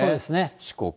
四国。